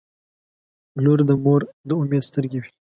• لور د مور د امید سترګې وي.